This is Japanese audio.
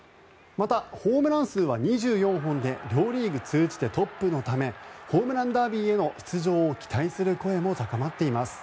またホームラン数は２４本で両リーグ通じてトップのためホームランダービーへの出場を期待する声も高まっています。